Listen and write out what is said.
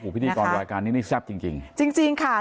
พิธีกรรยายการนี้แซ่บจริงจริงจริงจริงค่ะ